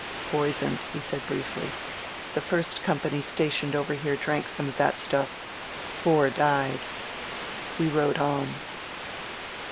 "Poisoned, he said briefly. The first company sta tioned over here drank some of that stuff. Four died." We rode on.